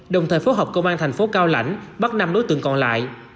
đồng thời phối hợp công an tp hcm bắt năm đối tượng còn lại